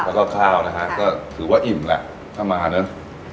แล้วก็ข้าวนะฮะก็ถือว่าอิ่มแหละถ้ามานะ